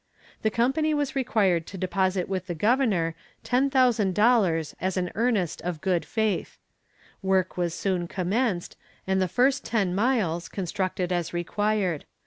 The company was required to deposit with the governor $10,000 as an earnest of good faith. Work was soon commenced, and the first ten miles constructed as required.